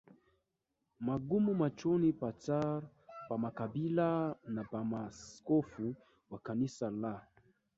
magumu machoni pa Tsar pa makabaila na pa maaskofu wa Kanisa la